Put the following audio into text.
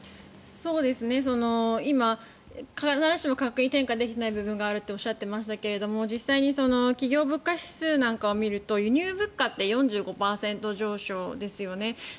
今、必ずしも価格転嫁できていないものがあるとおっしゃっていましたけれど実際に企業物価指数なんかを見ると輸入物価って４５％上昇ですよね。